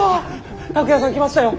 拓哉さん来ましたよ。